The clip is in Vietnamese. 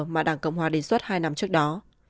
mà đảng cộng hòa đề xuất hai năm trước đó